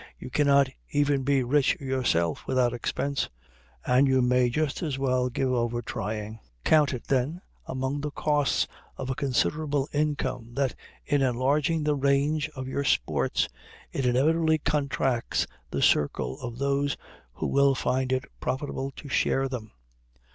You cannot even be rich yourself without expense, and you may just as well give over trying. Count it, then, among the costs of a considerable income that in enlarging the range of your sports it inevitably contracts the circle of those who will find it profitable to share them.